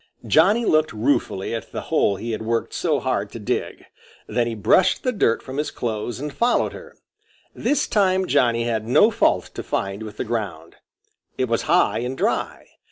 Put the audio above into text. Johnny looked ruefully at the hole he had worked so hard to dig; then he brushed the dirt from his clothes and followed her. This time Johnny had no fault to find with the ground. It was high and dry.